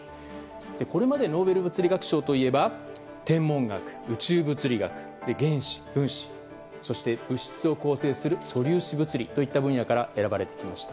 これまでノーベル物理学賞といえば天文学、宇宙物理学原子・分子そして物質を構成する素粒子物理といった分野から選ばれてきました。